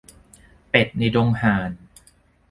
เป็ดในดงห่าน